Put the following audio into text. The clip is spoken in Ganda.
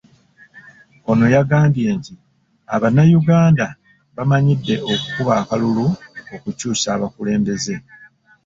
Ono yagambye nti Abanayuganda bamanyidde okukuba akalulu okukyusa abakulembeze.